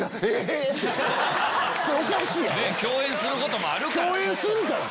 共演することもあるから。